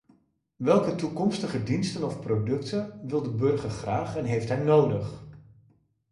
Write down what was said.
Welke toekomstige diensten of producten wil de burger graag en heeft hij nodig?